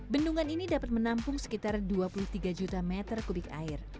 bendungan ini dapat menampung sekitar dua puluh tiga juta meter kubik air